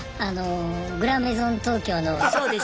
あの「グランメゾン東京」の。